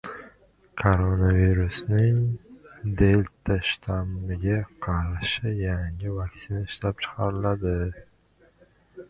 Koronavirusning "delta" shtammiga qarshi yangi vaksina ishlab chiqariladi